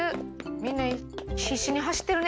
みんな必死に走ってるね